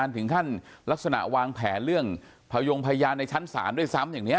ถึงขั้นลักษณะวางแผนเรื่องพยงพยานในชั้นศาลด้วยซ้ำอย่างนี้